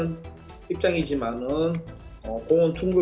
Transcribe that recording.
tapi karena kita sudah menunggu